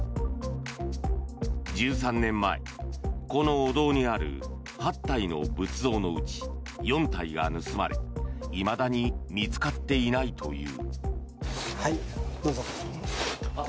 １３年前このお堂にある８体の仏像のうち４体が盗まれいまだに見つかっていないという。